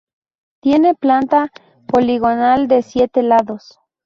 Tiene planta poligonal de siete lados.